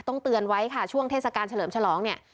เตือนไว้ค่ะช่วงเทศกาลเฉลิมฉลองเนี่ย